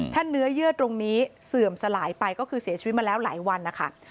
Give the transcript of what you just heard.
ถ้าเนื้อเยื่อตรงนี้เสื่อมสลายไปก็คือเสียชีวิตมาแล้วหลายวันนะคะ